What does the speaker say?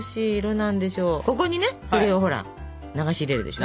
ここにねそれをほら流し入れるでしょ。